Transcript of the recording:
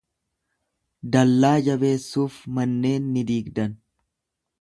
Dallaa jabeessuuf manneen ni diigdan.